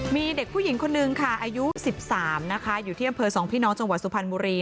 มีเด็กผู้หญิงคนนึงค่ะอายุ๑๓นะคะอยู่ที่อำเภอ๒พี่น้องจังหวัดสุพรรณบุรี